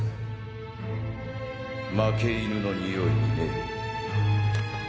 負け犬のにおいにね。